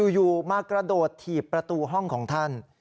อยู่มากระโดดถีบประตูห้องของท่าน